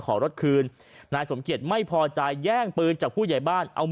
ขอรถคืนนายสมเกียจไม่พอใจแย่งปืนจากผู้ใหญ่บ้านเอามา